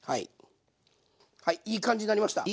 はいいい感じになりました。